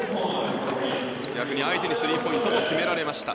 逆に相手にスリーポイントも決められました。